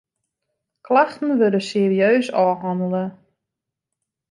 Klachten wurde serieus ôfhannele.